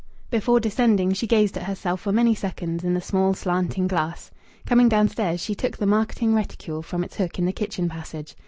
Before descending she gazed at herself for many seconds in the small, slanting glass. Coming downstairs, she took the marketing reticule from its hook in the kitchen passage.